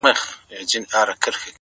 o مجرم د غلا خبري پټي ساتي ـ